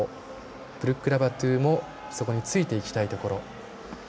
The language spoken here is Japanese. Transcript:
ブルック・ラバトゥもそこについていきたいところ。